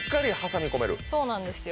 そうなんですよ。